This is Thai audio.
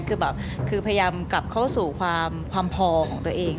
คือแบบคือพยายามกลับเข้าสู่ความพอของตัวเอง